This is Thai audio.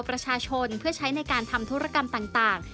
ประชาชนเพื่อใช้ในการทำธุรกรรมต่าง